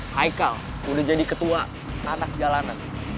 haikal udah jadi ketua anak jalanan